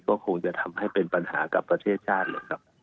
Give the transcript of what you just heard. ก็คงจะทำให้เป็นปัญหากับประเทศชาติเลยครับ